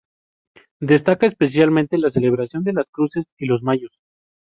Destaca especialmente la celebración de las Cruces y los Mayos.